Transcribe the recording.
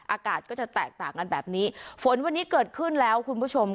อากาศก็จะแตกต่างกันแบบนี้ฝนวันนี้เกิดขึ้นแล้วคุณผู้ชม